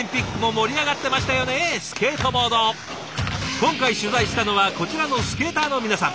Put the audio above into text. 今回取材したのはこちらのスケーターの皆さん。